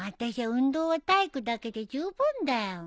運動は体育だけで十分だよ。